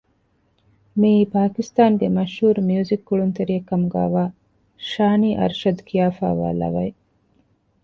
މިއީ ޕާކިސްތާނުގެ މަޝްހޫރު މިއުޒިކު ކުޅުންތެރިއެއް ކަމުގައިވާ ޝާނީ އަރްޝަދް ކިޔާފައިވާ ލަވައެއް